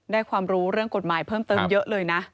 ความรู้เรื่องกฎหมายเพิ่มเติมเยอะเลยนะ